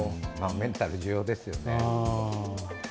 メンタル重要ですよね。